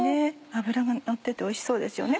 脂がのってておいしそうですよね。